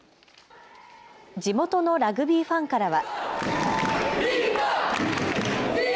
地元のラグビーファンからは。